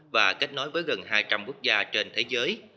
và kết nối với gần hai trăm linh quốc gia trên thế giới